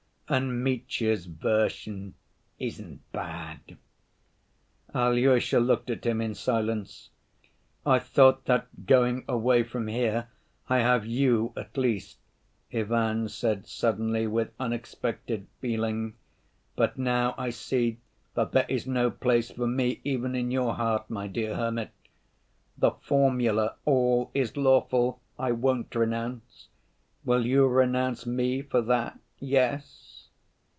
And Mitya's version isn't bad." Alyosha looked at him in silence. "I thought that going away from here I have you at least," Ivan said suddenly, with unexpected feeling; "but now I see that there is no place for me even in your heart, my dear hermit. The formula, 'all is lawful,' I won't renounce—will you renounce me for that, yes?"